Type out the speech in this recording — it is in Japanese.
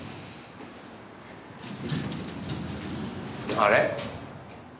あれ？